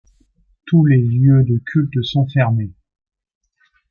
Tous les lieux de cultes sont fermés.